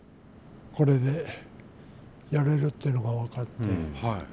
これでやれるっていうのが分かって